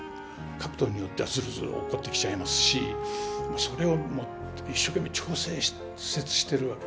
角度によってはズルズル落っこってきちゃいますしそれを一生懸命調節してるわけ。